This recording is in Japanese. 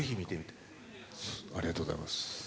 ありがとうございます。